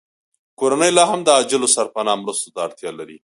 کورنۍ لاهم د عاجلو سرپناه مرستو ته اړتیا لري